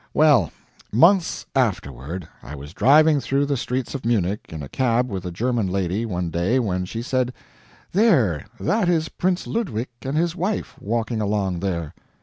Well months afterward, I was driving through the streets of Munich in a cab with a German lady, one day, when she said: "There, that is Prince Ludwig and his wife, walking along there."